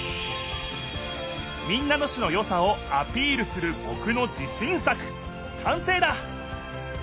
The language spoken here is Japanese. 民奈野市のよさをアピールするぼくの自しん作かんせいだ！